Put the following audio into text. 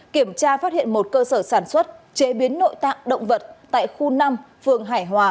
kiểm tra phát hiện một cơ sở sản xuất chế biến nội tạng động vật tại khu năm phường hải hòa